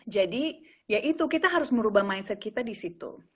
jadi ya itu kita harus merubah mindset kita di situ